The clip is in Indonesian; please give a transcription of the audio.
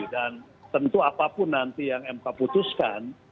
dan tentu apapun nanti yang mp putuskan